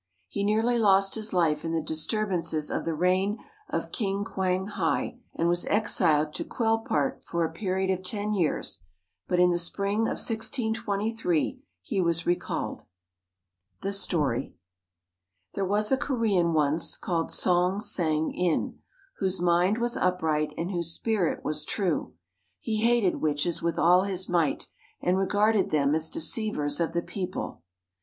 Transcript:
He nearly lost his life in the disturbances of the reign of King Kwang hai, and was exiled to Quelpart for a period of ten years, but in the spring of 1623 he was recalled.] The Story There was a Korean once, called Song Sang in, whose mind was upright and whose spirit was true. He hated witches with all his might, and regarded them as deceivers of the people.